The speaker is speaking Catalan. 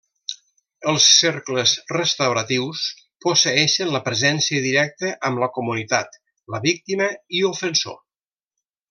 Els cercles restauratius posseeixen la presència directa amb la comunitat, la víctima i ofensor.